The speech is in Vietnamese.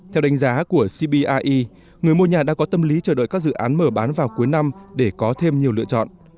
theo đánh giá của cbie người mua nhà đã có tâm lý chờ đợi các dự án mở bán vào cuối năm để có thêm nhiều lựa chọn